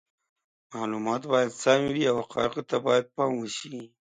معلومات باید سم وي او حقایقو ته باید پام وشي.